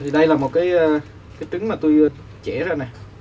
đây là một trứng mà tôi chẽ ra nè